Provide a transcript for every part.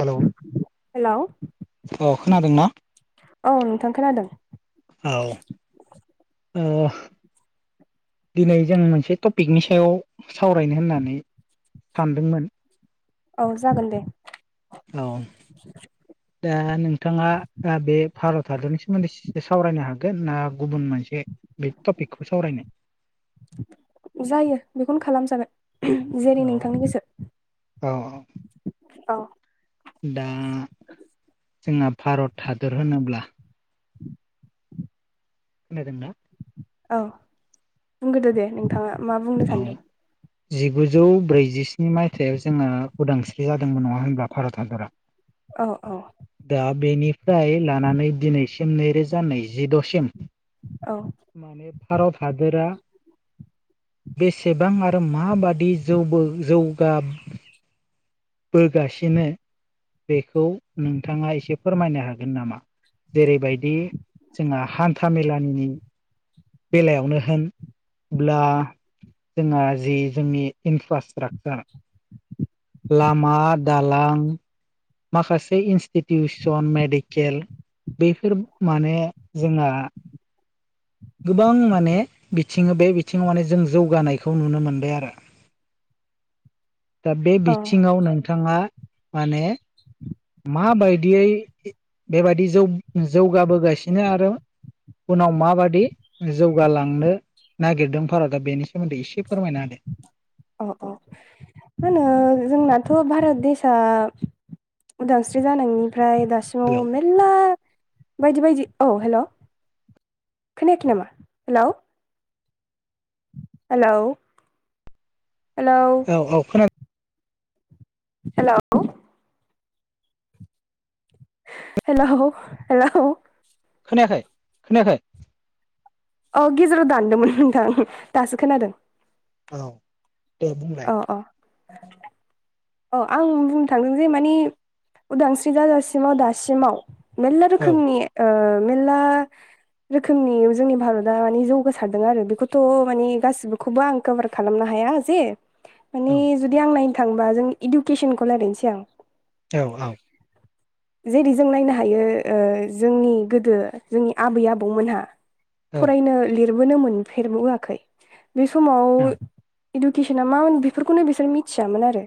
Hello hello अ खोनादोंना। औ नोंथां खोनादों। औ ओ दिनै जों मोनसे टपिकनि सायाव सावरायनो होननानै सानदोंमोन। औ जागोन दे। औ -दा नोंथाङा बे भारत हादरनि सोमोन्दै। सावरायनो हागोन ना गुबुन मोनसे बे टपिकखौ सावरायनो। जायो बेखौनो खालामजागोन जेरै नोंथांनि गोसो। अ। औ। दा जोंहा भारत हादर होनोब्ला। खोनादोंना। औ बुंग्रोदो दे नोंथाङा मा बुंनो सानदों। [inaudible] जिगुजौ ब्रैजिस्नि मायथाइयाव जोङो उदांस्रि जादोंमोन नङा होनब्ला भारत हादरा? अ अ दा बेनिफ्राय लानानै दिनैसिम नैरोजा नैजिद'सिम औ। माने भारत हादोरा बेसेबां आरो माबादि जौबो जौगा बोगासिनो बेखौ नोंथाङा एसे फोरमायनो हागोन नामा? जेरैबायदि जोंहा हान्था मेलानि बेलायावनो होन ब्ला जोंहा जि जोंनि इनफ्रास्ट्राकसार लामा दालां माखासे इन्स्टिटिउसन मेडिकेल बेफोर माने जोंहा गोबां माने बिथिङो बे बिथिङाव माने जों जौगानायखौ नुनो मोनबाय आरो। दा बे औ बिथिङाव नोंथाङा माने माबायदियै बेबायदि जौ-जौगाबोगासिनो आरो उनाव माबादि जौगालांनो नागिरदों भारतआ बेनि सोमोन्दै एसे फोरमायना होदो। अ अ मा होनो जोंनाथ' भारत देसाआ उदांस्रि जानायनिफ्राय दासिमाव हेलौ मेल्ला बायदि बायदि औ हेल' खोनायाखै नामा? हेलौ? हेलौ हेलौ औ औ खोना हेलौ हेलौ हेलौ खोनायाखै खोनायाखै। अ गेजेराव दानदोंमोन नोंथां दासो खोनादों। औ दे बुंलाय अ। अ आं बुंनो थांदों जे मानि उदांस्रि जाजासिमाव दासिमाव मेलला औ रोखोमनि मेलला रोखोमनि जोंनि भारतआ मानि जौगासारदों आरो बेखौथ' माने गासिखौबो आं कभार खालामनो हाया जे [inaudible] माने जुदि आं नायनो थांबा जों इडुकेसनखौ रायलायनोसै आं औ औ। जेरै जों नायनो हायो जोंनि गोदो जोंनि आबै आबौ मोनहा औ फरायनो लिरबोनो मोनफेरबोआखै बे समाव औ इडुकेसना मामोन बेफोरखौनो बिसोर मिथियामोन आरो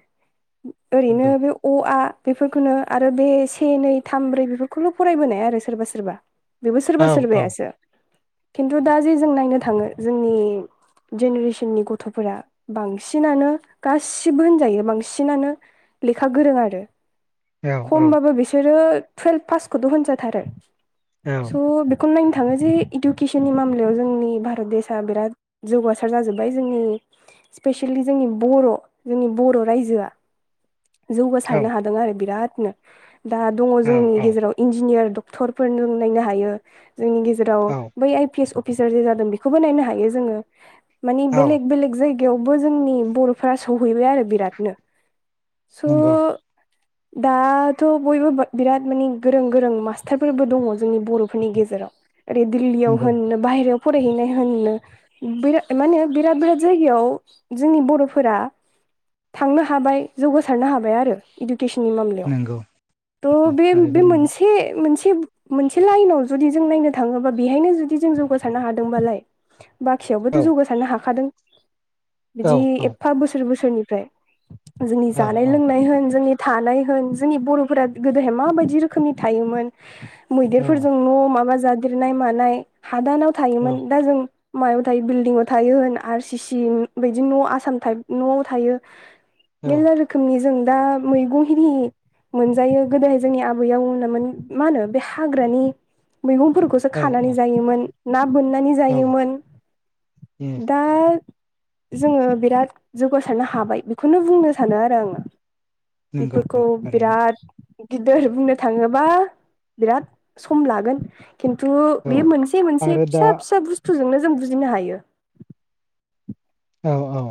ओरैनो नंगौ बे अ आ बेफोरखौनो आरो बे से नै थाम ब्रै बेफोरखौल' फरायबोनाय आरो सोरबा सोरबा। बेबो सोरबा औ औ सोरबायायासो खिन्थु दा जे जों नायनो थाङो जोंनि जेनेरेसननि गथ'फोरा बांसिनानो गासिबो होनजायो बांसिन सिनानो लेखा गोरों आरो औ खमबाबो बिसोरो टुवेल्भ पासखौथ' होनजाथारो स' खनलायनो थाङो जे इडुकेसननि मामलायाव जोंनि भारत देसाआ बिराद जौगासार जाजोब्बाय जोंनि स्पेसियेलि जोंनि बर' जोंनि बर' रायजोआ औ जौगासारनो हादों आरो बिरादनो दा दङ जोंनि गेजेराव इन्जिनियार डक्टरफोर नों नायनो हायो। जोंनि गेजेराव औ बै आइ पि एस अफिसार जे जादों बेखौबो नायनो हायो जोङो। औ मानिबेलेग बेलेग जायगायावबो जोंनि बर'फोरा सहैबाय आरो बिरादनो। स' नंगौ दाथ' बयबो बिराद माने गोरों गोरों मास्टारफोरबो दङ जोंनि बर'फोरनि गेजेराव। ओरै दिल्लीयाव नंगौ होननो बाहेरायाव फरायहैनाय होननो बिरा माने बिराद बिराद जायगायाव जोंनि बर'फोरा थांनो हाबाय। जौगासारनो हाबाय आरो इडुकेसननि मामलायाव। नंगौ औ थ' बे- बे थारैनो नंगौ मोनसे एसे मोनसे मोनसे लाइनाव जुदि जों नायनो थाङोबा बेहायनो जुदि जों जौगासारनो हादोंबालाय बाखियावबोथ' औ जौगासारनो हाखादों औ बिदि एफा बोसोर बोसोरनिफ्राय। जोंनि औ जानाय लोंनाय होन जोंनि थानाय होन जोंनि बर'फोरा गोदोहाय माबायदि रोखोमनि थायोमोन मैदेरफोरजों न' माबा जादेरनाय मानाय हादानाव औ थायोमोन दा जों मायाव थायो बिल्डिंआव थायो होन आर सि सि बिायदि न' आसाम टाइप न'आव थायो मेरला रोखोमनि जों दा मैगं खिनि मोनजायो गोदोहाय जोंनि आबैयाव होनोन मा होनो बे हाग्रानि मैगंफोरखौ खानानै जायोमोन ना बोननानै औ जायोमोन। औ दा जोङो बिराद जौगासारनो हाबाय बेखौनो बुंनो सानो आरो आङो नंगौ बेफोरखौ थारैनो बिराद गिदिर बुंनो थाङोबा बिराद सम लागोन। खिन्थु बे औ मोनसे मोनसे आरो दा फिसा फिसा बुस्थुजोंनो जों बुजिनो हायो। औ औ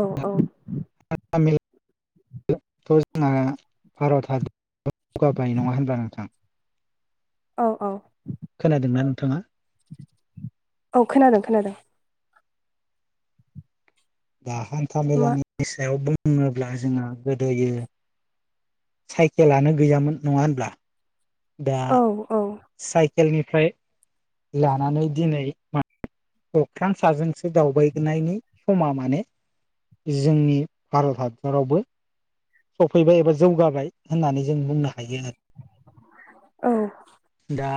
औ औ ा म [unintelligible] [inaudible] थ' जोंना भारत हादराबो जौगाबाय नङा होनबा नोंथां। औ औ खोनादोंना नोंथाङा? औ खोनादों खोनादों। दा हान्था मा मेलानि सायाव बुङोब्ला जोंहा गोदोयो साइकेलानो गैयामोन नङा होनब्ला? दा औ औ साइकेलनिफ्राय लानानै दिनै मा अख्रां साजोंसो दावबायगोननायनि समा माने जोंनि भारत हादरावबो सफैबाय एबा जौगाबाय होननानै जों बुंनो हायो आरो। औ दा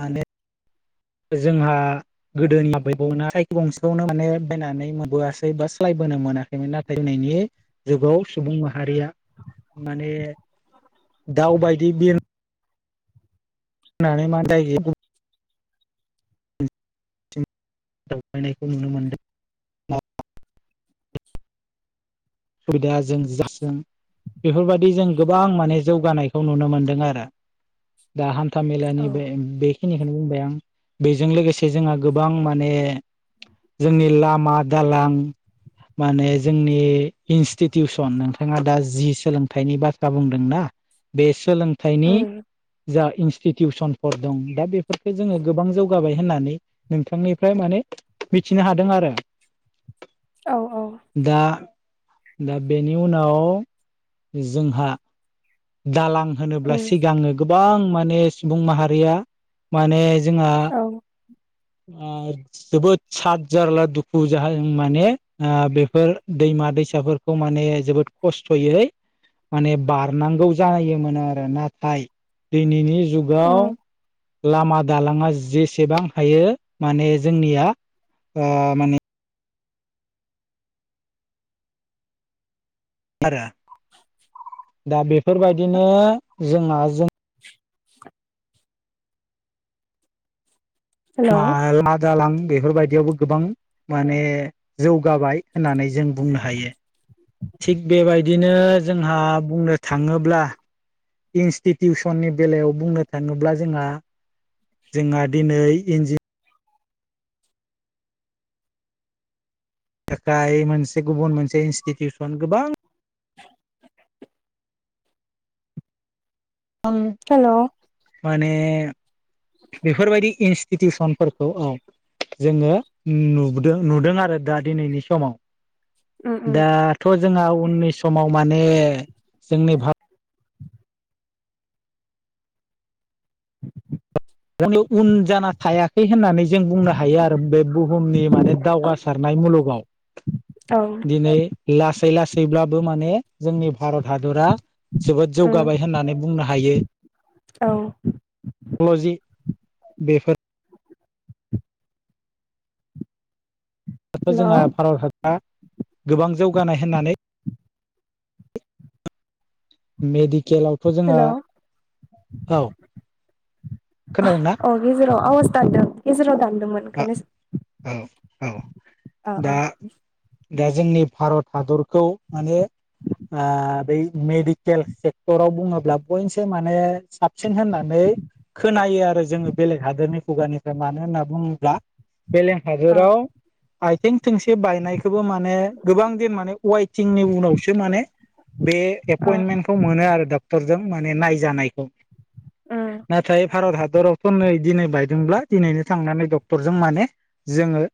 माने जोंहा गोदोनि आबैमोना गंसेखौनो माने बायनानै मोनबोआसै बा सोलायबोनो मोनाखैमोन नाथाय दिनैनि जुगाव सुबुं माहारिया माने दाउ बायदि बिर नानै मा जाहैयो गुबुनसिम दावबायनायखौ नुनो मोनदों। सुबिदाया जों जासों बेफोरबायदि जों गोबां माने जौगानायखौ नुनो मोनदों आरो। दा हान्था औ मेलानि बे बेखिनिखौनो बुंबाय आं। बेजों लोगोसे जोंहा गोबां माने जोंनि लामा दालां माने जोंनि इन्स्टिटिउसन नोंथाङा दा जि सोलोंथाइनि बाथ्रा बुंदों ना बे सोलोंथाइनि उम जा इन स्टिटिउसनफोर दं दा बेफोरफोरखौ जोङो गोबां जौगाबाय होननानै नोंथांनिफ्राय माने मिथिनो हादों आरो। औ औ दा दा बेनि उनाव जोंहा दालां होनोब्ला उम सिगाङो गोबां माने सुबुं माहारिया माने जोंहा औ ओ जोबोद साद जारला दुखु जाहा जों माने ओ बेफोर दैमा दैसाफोर माने जोबोद खस्थ'यै मान बार। नांगौ जानायोमोन आरो नाथाय दिनैनि जुगाव। उम लामा दालाङा जेसेबां हायो माने जोंनिया माने। आरो दा बेफोरबायदिनो जोंहा जों। [inaudible] हेल' मा माला। दालां बेफोरबायदियावबो गोबां माने जौगाबाय होननानै जों बुंनो हायो। थिग बेबायदिनो जोंहा बुंनो थाङोब्ला। इन्स्टिटिउसननि बेलायाव बुंनो थाङोब्ला जोंहा। जोंहा दिनै इन्ज। थाखाय मोनसे गुबुन मोनसे इनस्टिटिउसन गोबां। आं। हेलौ। माने बेफोरबायदि इन्स्टिटिउसनफोरखौ औ। जोङो नुदों नुदों आरो दा दिनैनि समाव। उम दाथ' जोंहा उननि समाव माने जोंनि भारत। अ उन जा। हायाखै होननानै जों बुंनो हायो आरो बे बुहुमनि माने दावगासारनाय मुलुगाव। औ दिनै लासै लासैब्लाबो माने जोंनि भारत हादरा। जोबोद उम जौगाबाय होननानै बुंनो हायो। औ। टक्नलजि। बेेफार। जोंहा हेल' भारत हादरा गोबां जौगानाय होननानै। मेडिकेलावथ' जोंहा औ। खोनादोंना अ गेजेराव आवाज दानदों गेजेराव दानदोंमोन। ओंखायनो औ औ अ अ दा। दा जोंनि भारत हादरखौ माने। आ बै मेडिकेल सेक्टराव बुङोब्ला बयनोस माने साबसिन होननानै। खोनायो आरो जोङो बेलेग हादोरनि खुगानिफ्राय मानो होनना बुङो। ब्ला बेलेग अ हादराव। आथिं थोंसे बायनायखौबो माने गोबां दिन माने वाइथिंनि उनावसो माने। बे अ एपइन्टमेन्टखौ मोनो आरो डक्टरजों माने नायजानायखौ। उम नाथाय भारत हादरावथ' नै दिनै बायदोंब्ला दिनैनो थांनानै डक्ट। क्टरजों माने जोङो।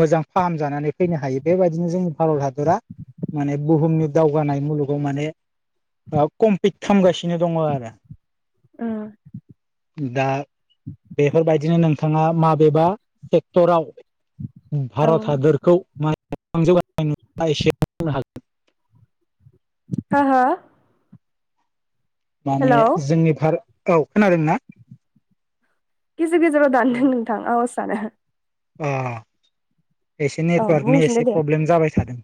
मोजां फाहाम जानानै फैनो हायो बेबायदिनो जोंनि भारत हादरा। माने बुहुमनि दावगानाय मुलुगाव माने- कमप्लिट खालामगासिनो दंङ आरो- ओ- दा बेफोरबायदिनो नोंथांङा माबेबा सेक्टराव- औ भारत हादरखौ बेसे जौगानो हांखो बुंनो हागोन - हो--हो हेल' माने जोंनि भारतखौ खोनादोंना- गेजेर गेजेराव दानदों हेलौ नोंथां आवज जानो- अ एसे औ नेटवार्कनि बुंफिनदो एसे दे प्रब्लेम जाबाय थादों-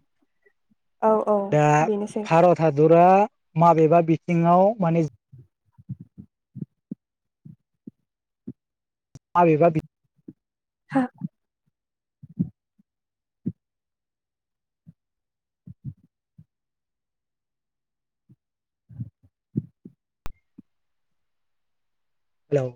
औ औ दा बेनोसै भारत हादरा माबेबा बिथिंङाव माने- अबेबा बिथिं- हा- हेल'